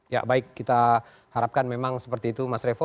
ya baik kita harapkan memang seperti itu mas revo